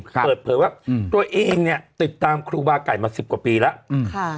เปิดเผยว่าตัวเองเนี่ยติดตามครูบาไก่มาสิบกว่าปีแล้วอืมค่ะ